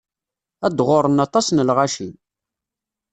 Ad ɣurren aṭas n lɣaci.